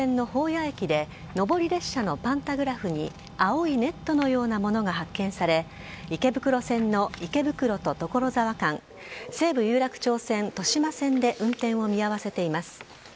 谷駅で上り列車のパンタグラフに青いネットのようなものが発見され池袋線の池袋と所沢間西武有楽町線と豊島線で運転を見合わせています。